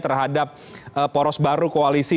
terhadap poros baru koalisi